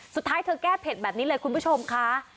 สุดท้ายเธอแก้เผ็ดแบบนี้เลยคุณผู้ชมค่ะ